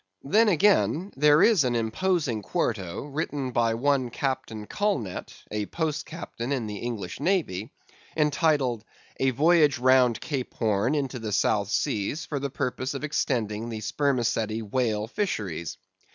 Then again, there is an imposing quarto, written by one Captain Colnett, a Post Captain in the English navy, entitled "A Voyage round Cape Horn into the South Seas, for the purpose of extending the Spermaceti Whale Fisheries."